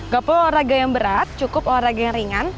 gak perlu olahraga yang berat cukup olahraga yang ringan